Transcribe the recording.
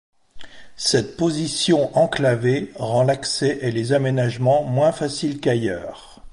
Cette position enclavée rend l'accès et les aménagements moins facile qu'ailleurs.